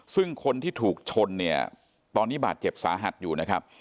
ซึ่งคนที่ถูกชนเนี่ยตอนนี้บาดเจ็บสาหัสอยู่นะครับ